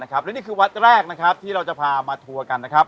และนี้คือวัดแรกนะครับที่เราจะพามาทัวกัน